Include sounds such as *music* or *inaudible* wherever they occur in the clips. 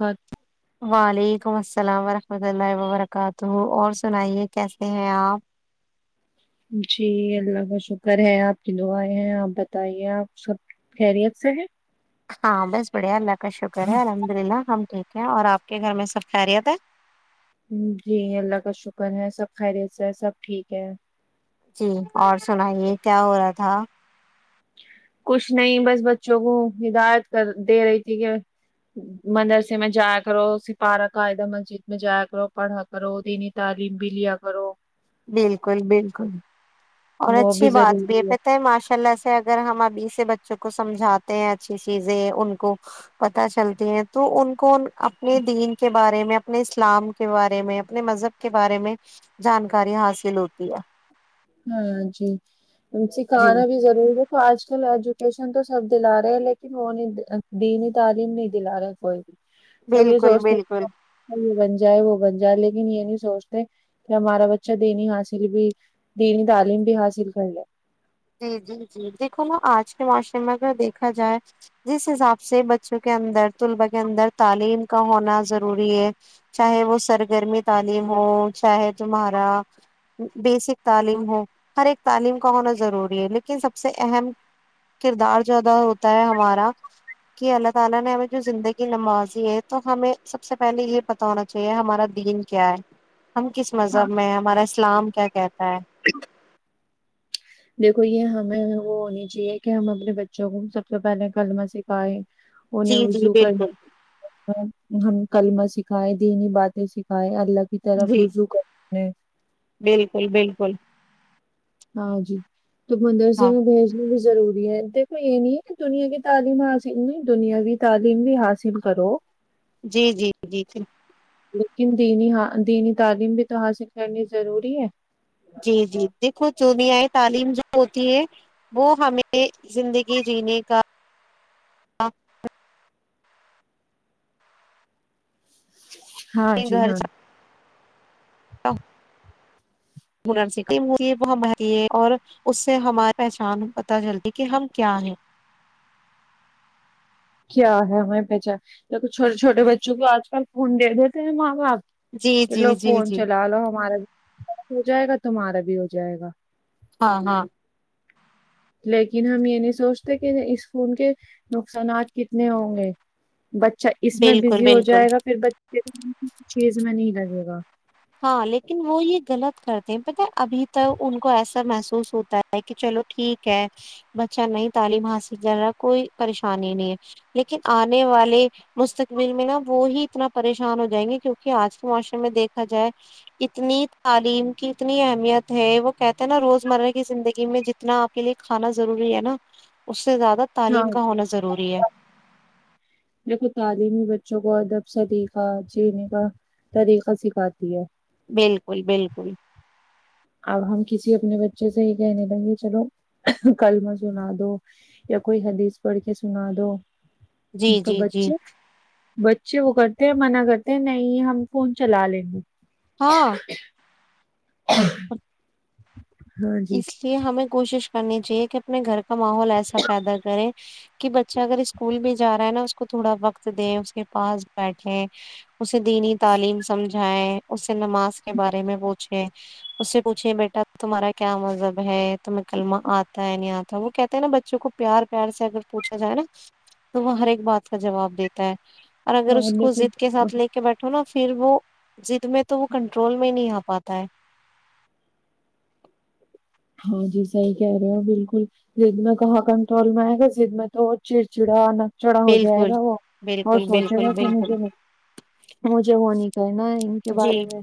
بہت والی *unintelligible* ولیکم السلام ورحمۃ اللہ وبرکاتہ اور سنائیے کیسے ہیں آپ جی اللہ کا شکر ہے آپ کی دعائیں ہیں آپ بتائیے آپ سب خیریت سے ہے ہاں بس بڑیا ال پ کا شکر ہے الحمد للہ ہم ٹھیک ہیں اور آپ کے گھر میں سب خیریت ہے جی اللہ کا شکر ہے سب خیریت سے سب ٹھیک ہے جی اور سنائیے کیا ہو رہا تھا کچھ نہیں بس بچوں کو ہدایت کر دے رہی تھی کہ مدرسے میں جایا کرو سپارہ کاعدہ مسجد میں جایا کرو پڑھا کرو دینی تعلیم بھی لیا کرو بالکل بالکل *unintelligible* اور وہ بھی اچھی بات ب ضروری کہت ہے ماشاء اللہ سے اگر ہمار سے بچوں کو سمجھاتے ہیں اچھی چیزیں ان کو پت چلتی ہیں تو ان کو اپنے دین کے بارے میں اپنے اسلام کے بارے میں اپنے مذہب کے بارے میں جان کاریا حاصل ہوتی ہے ہاں جی جی سکھانا بھی ضروری ہے تو آج کل ایجوکیشن تو سب دلا رہے ہیں لیکن وہ نہیں دینی تعلیم نہیں دلا رہے کوئی بھی سب یہ بالکل سوچتے بالکل *unintelligible* جائے وہ بن جائے لیکن یہ نہیں سوچتے کہ ہمارا بچہ دینی حاصل بھی دینی تعلیم بھی حاصل کر ل جی جی جی دیکھو نا آج کے معاشرے میں اگر دیکھا جائے جس حساب سے بچوں کے اندر طلباء کے اندر تعلیم کا ہونا ضروری ہے چاہے وہ سرگرمی تعلیم ہو چاہے تمہارا بیسک تعلیم ہو ہر ایک تعلیم کا ہونا ضروری *unintelligible* ہم کس ہاں مذہب میں ہمارا اسلام کیا ہاں دیکھو یہ ہمیں وہ ہونی چاہیے کہ ہم اپنے بچوں کو سب سے پہلے کلمہ سکھائے ان جی نے جی رضو کر بالکل ہم کلمہ سکھائے دینی باتیں سکھائے الگ کی طرف جی رجوع کرتے ہیں بالکل بالکل ہاں جی تو مدرسہ ہاں میں بھیج ضروری ہے دیکھو یہ نہیں ہے کہ دنیا کی تعلیم حاصل نہیں دنیاو تعلیم بھی حاصل کرو جی جی جی لیکن دینی دینی تعلیم بھی تو حاصل کرنی ضروری ہے جی جی دیکھو چ بھی آئے تعلیم جو ہوتی ہے وہ ہمیں زندگی جینے کا ہاں جی گھر ہاں اور اس سے ہمارے پہچان پت جلدی کہ ہم کیا ہیں کیا ہے ہم پہچان چھوٹے چھوٹے بچوں کو آج کل فون دے دیتے ہیں ماں باپ جی کہ جی لو جی فون جی چلا لو ہمارا ہو جائے گا تمہارا بھی ہو جائے گا ہاں ہاں لیکن ہم یہ نہیں سوچتے کہ اس فون کے نقصانات کتنے ہوں گے بچہ اس میں بالکل بزی ہو بالکل جائے گا پھر چیز میں نہیں لگے گا ہاں لیکن وہ یہ غلط کرتے ہیں پتا ابھی توک ان کو ایسا محسوس ہوتا ہے کہ چلو ٹھیک ہے بچہ نہیں تعلیم حاصل کر رہا کوئی پریشانی نہیں ہے لیکن آنے والے مستقبل میں نا وہی اتنا پریشان ہو جائیں گے کیوںکہ آج کے معاشر میں دیکھ ا جائے اتنی تعلیم کی اتنی اہمیت ہے وہ کہتے ہیں نا روز مرہ کی زندگی میں جتنا آپ کے لیے کھانا ضروری ہے نا اس سے زیادہ ہاں تعلیم کا جی ہونا ضروری ہے دیکھو تعلیمی بچوں کو ادب سریقہ جینے کا طریقہ سکھاتی ہے بالکل بالکل اب ہم کسی اپنے بچے سے یہ کہنے لگیں گے چلو کلمہ سنا دو یا کوئی حدیث پڑھ کے سنا دو جی تو جی جی بچے بچے وہ کرتے ہیں منع کرتے ہیں نہیں ہم فون چلا لیں گے ہاں *inaudible* ہاں جی اس لیے ہمیں کوشش کرنی چاہیے کہ اپنے گھر کا ماحول ایسا پیدا کرے کہ بچہ اگر اسکول میں جا رہا ہے نا اس اس کو تھوڑا وقت دے اس کے پاس بیٹھے اسے دینی تعلیم سمجھائے اس سے نماز کے بارے میں پوچھے اس سے پوچھے بیٹا تمہارا کیا مذہب ہے تو میں کلمہ آتا ہے نہیں آتا وہ کہتا ہے نا بچوں کو پیار پیار سے اگر پوچھا جائے نا تو وہ ہر ایک بات کا جواب دیتا ہے اور اگر اس کو ضد کے ساتھ لے کے بیٹھو نا پھر وہ جد میں تو بو کنٹرول میں نہیں آتا پتہ ہے ہاں جی صحیح کہہ رہے ہو بالکل زد میں کہاں کنٹرول میں آئے گا زد میں تو چڑچڑا نا چڑا ہو جائے بالکل گا وہ اور بالکل سوچے بالکل گا کہ بالکل مجھے مجھے بو نہیں کرنا ہے ان کے جی بارے میں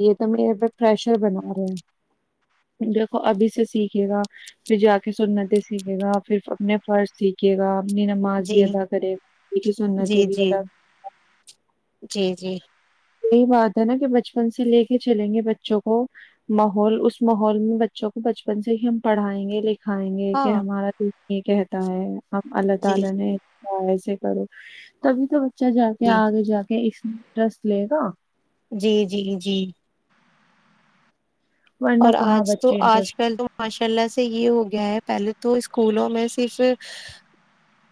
یہ تو میرے پریشر بنا رہے ہیں ابھی سے سیکھے گا پھر جا کے سنتیں سیکھے گا پھر اپنے فرض سیکھے گا اپنی نماز بھی جی ادا کرے کی سنتیں جی بھی جی ادا کر جی جی یہی بات ہے نا کہ بچپن سے لے کے چلیں گے بچوں کو ماحول اس ماحول میں بچوں کو بچپن سے ہی ہم پڑھائیں گے لیکن سکھائیں گے کہ ہاں ہمارا دین ایک کہتا ہے ہم اللہ جی تعالی نے معائض کرو تبھی تو ب بچا جا کے جی آگ جا کہ انٹرسٹ لے گا جی جی جی ورنہ اور کہاں آج تو بچے آج انٹرسٹ کل تو ماشاء اللہ سے یہ ہو گیا ہے پہلے تو اسکولوں میں صرف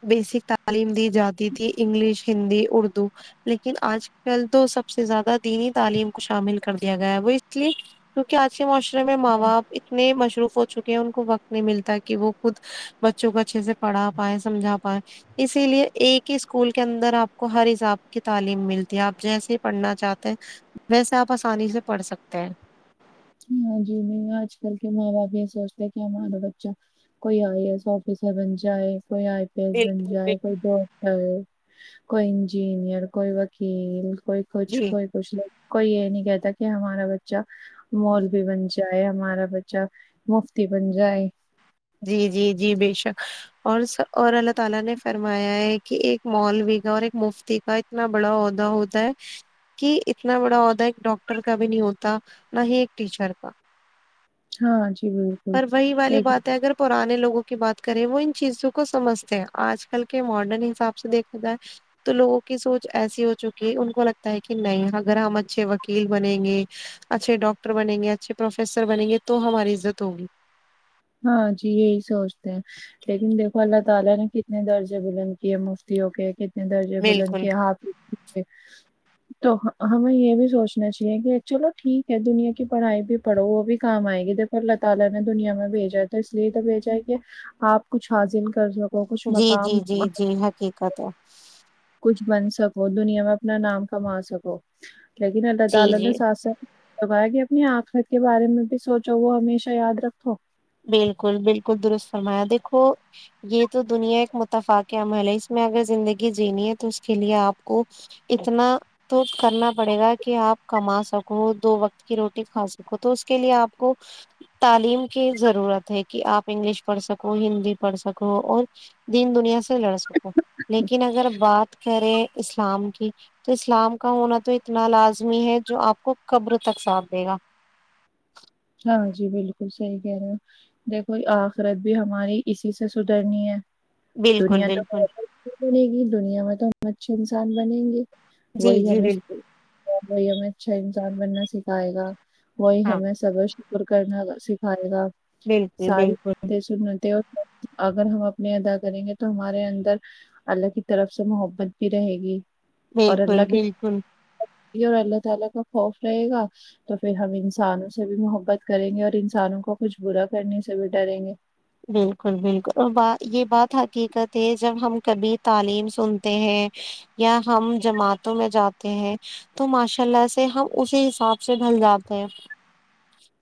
بیسک تعلیم دی جاتی تھی انگلش ہندی اردو لیکن آج کل تو سب سے زیادہ دینی تعلیم کو شامل کر دیا گیا ہے وہ اس لیے کیونکہ آج معاشرے میں ماں باپ اتنے مصروف ہو چکے کے ان کو وقت نہیں ملتا کہ وہ خود بچوں کو اچھے سے پڑھا پائے سمجھا پائے اسی لیے ایک ہی اسکول کے اندر آپ کو ہر حساب کی تعلیم ملتی ہے آپ جیسے ہی پڑھنا چاہتے ہیں ویسے آپ آسانی سے پڑھ سکتے ہیں ہاں جی نہیں آج کل کے ماں باپ یہ سوچتے کہ ہمارا بچہ کوئی آئی اے ایس آفیسر بن جائے کوئی آئی پی ایس بن بالکل جائے بالکل کوئی کورس کریں کوئی انجینیئر کوئی وکیل کوئی کچھ جی کوئی کچھ نہیں کوئی یہ نہیں کہتا کہ ہمارا بچہ مولوی بن جائے جائے ہمارا بچہ مفتی بن جائے جی جی جی بے شک اور اور اللہ تعالی نے فرمایا ہے کہ ایک مولوی کا اور ایک مفتی کا اتنا بڑا عہدہ ہوتا ہے کہ اتنا بڑا عہدہ ایک ڈاکٹر کا بھی نہیں ہوتا نہ ہی ایک ٹیچر کا ہاں جی بالکل پر وہی والی لیکن بات ہے اگر پرانے لوگوں کو کی بات کریں وہ ان چیزوں کو سمجتے ہیں آج کل کے ماڈرن حساب سے دیکھا جائے تو لوگوں کی سوچ ایسی ہو چکی ہے ان کو لگتا ہے کہ نہیں اگر ہم اچھے وکیل بنیں گے اچھے ڈاکٹر بنیں گے اچھے پروفیسر بنیں گے تو ہماری عزت ہوگی *unintelligible* درجے بولند بالکل کیا ہ پ *unintelligible* ج تو اس لیے ت یہ ج ہے کہ آپ کچھ حاصل کر سکتے جی جی جی جی حقیقت ہے کچھ بن سکو دنیا میں اپنا نام کما سکو گن نڈا جی تال جی نے سس ہے توب کہ اپنی آنخرت کے بارے میں بھی سوچو وہ ہمیشہ یاد رکھو بالکل بالکل درست فرمایا دیکھو یہ تو دنیا ایک متفاق عمل ہے اس میں اگر زندگی جینی ہے تو اس کے لیے آپ کو اتنا تو کرنا پڑے گا کہ آپ کما سکو دو وقت کی روٹی کھا سکو تو اس کے لیے آپ کو تعلیم کی ضرورت ہے کہ آپ انگلش پڑھ سکو ہندی پڑھ سکو اور دین دنیا سے لڑ سکو لیکن اگر بات کریں اسلام کی تو اسلام کا ہونا تو اتنا لازمی ہے جو آپ کو قبر تک ساتھ دے گا ہاں جی بالکل صحیح کہہ رہے ہو دیکھو آخرت بھی ہماری اسی سے سدھرنی ہے بالکل دنیا تو بالکل بہت بنے گی دنیا میں تو ہم اچھے انسان بنیں گے جی وہی جی ہمیں بالکل وہی ہمیں اچھا انسان بننا سکھائے گا وہی ہاں ہمیں سب اپر کرنا سکھائے گا بالکل ساری بالکل باتیں سنتیں اگر ہم اپنے ادا کریں گے تو ہمارے اندر اللہ کی طرف سے محبت بھی رہے گی بالکل بالکل *unintelligible* بت کریں گے اور انسانوں کو کچھ برا کرنے سے بھی ڈریں گے بالکل بالکل اور ب یہ بات حقیقت ہے جب ہم کبھی تعلیم سنتے ہیں یا ہم جماعتوں میں جاتے ہیں تو ماشاء اللہ سے ہم اسی حساب سے ڈھل جاتے ہیں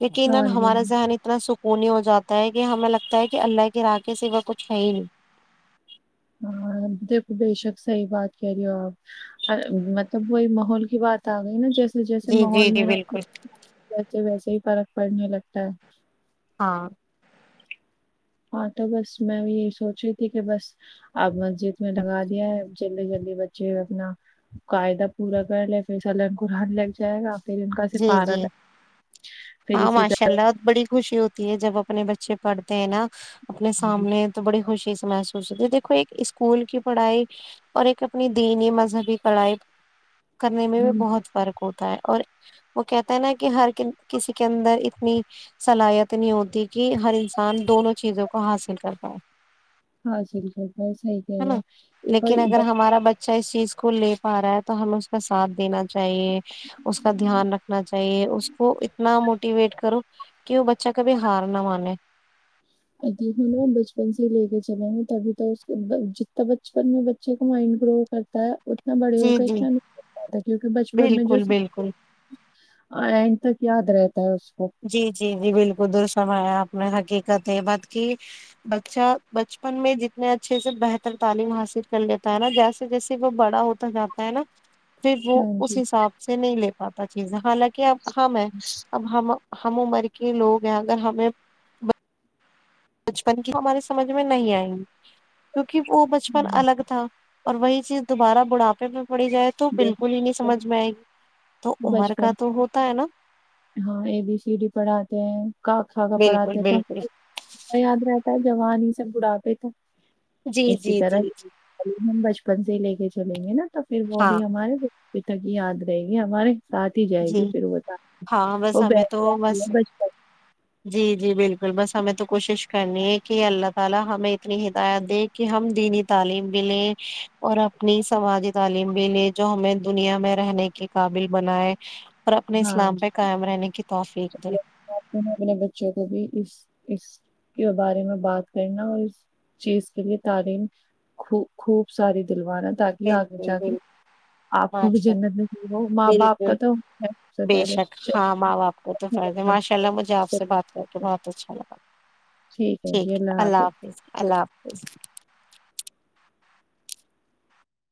لیکنا ہاں جی ہمارا ذہن اتنا سکون ہی ہو جاتا ت ہے گی ہمیں لگ تا ہے کہ اللہ کے رقے سے وہ کچھ ہے ہی نہیں ہاں دیکھو بے شک صحیح بات کہہ رہی ہو آپ مطلب وہی ماحول کی بات آ گئی نا جیسے جیسے جی جی ماحول جی میرا بالکل ویسے ہی فرق پڑنے لگتا ہے ہاں ہاں تو بس میں بھی یہی سوچ رہی تھی کہ بس اب مسجد میں لگا دیا ہے جلدی جلدی بچے اپنا قاعدہ پورا کر لے پھر سلن قرن لگ جائے گا پھر ان کا جی سپارہ جی لگ، پھر ہاں اسی ماشاء اللہ بڑی خوشی ہوتی ہے جب اپنے بچے پڑھتے ہیں نا اپنے طرح سامنے تو بڑی خوشی سے محسوس ہو دیک کو ایک اسکول کی پڑھائی اور ایک اپنی دینی مذہبی پڑھائی کرنے میں بھی ہم بہت فرق ہوتا ہے اور وہ کہتے ہیں نا کہ ہر کسی کے اندر اتنی صلاحیت نہیں ہوتی کہ ہر انسان دونوں چیزوں کو حاصل کرتا ہے ہاں جل گ بس صحی کہہ رہے نا کوئی لیکن اگر ہمارا بچہ اس چیز کو لے پا رہا ہے تو ہمیں اس کا ساتھ دینا چاہیے اس کا دھیان رکھنا چاہیے اس کو اتنا موٹیویٹ کرو کہ وہ بچہ کبھی ہار نہ مانے ملو بچپن سے ہی لے کے چلے تبھی تو جتنا بچپن میں بچے کو مائنڈ گرو کرتا ہے اتنا بڑے جی ہوگ جی اتنا نہیں کیکہ بچپن میں جو بالکل بالکل تک یادرے جی جی جی بالکل درسم ہے آپ حقیقت ہے بات کی بچہ بچپن میں جتنے اچھے سے بہتر تعلیم حاصل کر لیتا ہے نا جیسے جیسے وہ بڑا ہوتا جاتا ہے نا پھر وہ ہاں جی اس حساب سے نہیں لے پاتا چیز حالانکہ اب ہمیں اب ہم ہم عمر کے لوگ ہیں اگر ہمیں بچپن کی ہماری سمجھ میں نہیں آئیں گی کیونکہ وہ بچپن ہاں، الگ تھا اور وہی چی د دوبارہ بڑا پے میں پڑی جائے تو جو بالکل ہی نہیں سمجھ میں آئے گی تو عمر بچپن کا تو ہوتا ہے نا ہاں اے بی سی ڈی پڑھاتے ہیں کا کا کا پڑھاتے بالکل ہیں تو بالکل آیا آا جوان ہی سب بڑا پے تو جی اسی جی جی طرح جی بچپن سے ہی لے کے چلیں گے نا تو پھر وہ ہاں بھی ہمارے تک یاد رہے گی ہمارے ساتھ ہی جائے گی جی پھر بتا ہاں بس وہ ہمیں تو بیٹھ جاتی بس ہے بچپن جی *inaudible* *inaudible* ہاں اسلام پہ قائم رہنے کی توفیق دے اپنے بچوں کو بھی اس اس کے بارے میں بات کرنا اور اس چیز کے لیے تعلیم خ خوب ساری دلوانا تاکہ آگے بالکل جا کے بالکل آپ کو بھی ماشاء جنت میں ہو ماں باپ کا بالکل تو سب سے بے شک پہلے ہاں ماں باپ کو تو فرد ہے ماشاء اللہ مجھے آپ سے بات کر کے بہت اچھا لگا ٹھیک ہے اللہ حافظ اللہ حافظ ا